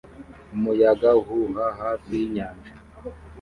Umuyaga uhuha hafi yinyanja